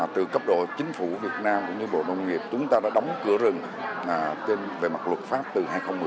từ cấp độ chính phủ việt nam cũng như bộ nông nghiệp chúng ta đã đóng cửa rừng về mặt luật pháp từ hai nghìn một mươi